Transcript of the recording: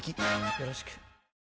よろしく。